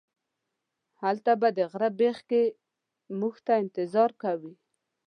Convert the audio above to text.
هلته به د غره بیخ کې موږ ته انتظار کوئ.